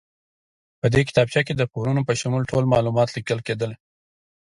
په دې کتابچه کې د پورونو په شمول ټول معلومات لیکل کېدل.